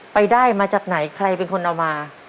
ไปได้มาจากไหนใครเป็นคนเอามา